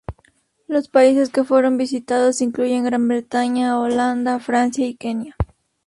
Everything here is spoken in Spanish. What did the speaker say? Los países que fueron visitados incluyen Gran Bretaña, Holanda, Francia, y Kenia.